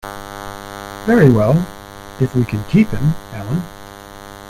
Very well, if we can keep him, Ellen.